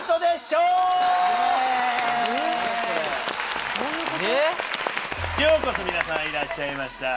ようこそ皆さんいらっしゃいました。